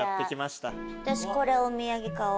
私これお土産買おう。